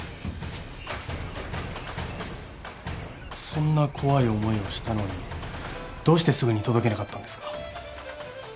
そんな怖い思いをしたのにどうしてすぐに届けなかったんですか？